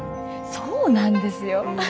そうなんですよ。